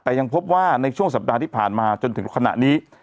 แต่ยังพบว่าในช่วงสัปดาห์ที่ผ่านมาจนถึงขณะนี้